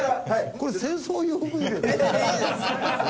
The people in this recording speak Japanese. これ清掃用具入れ。